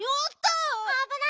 あぶない！